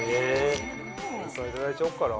いただいちゃおっかな。